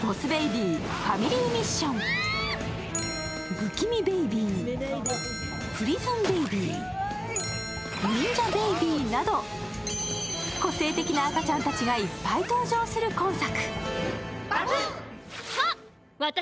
不気味ベイビー、プリズンベイビー、忍者ベイビーなど個性的な赤ちゃんたちがいっぱい登場する今作。